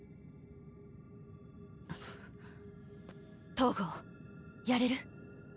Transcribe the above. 東郷やれる？